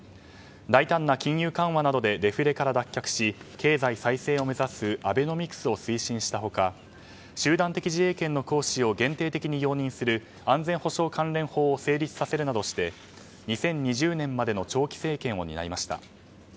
大胆な金融緩和などでデフレから脱却し経済再生を目指すアベノミクスを推進した他集団的自衛権の行使を限定的に容認し安全保障関連法を成立し２０２０年までの長期政権を担いました。